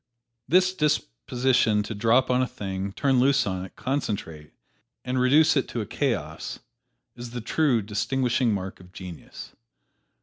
This disposition to drop on a thing, turn loose on it, concentrate, and reduce it to a chaos, is the true distinguishing mark of genius.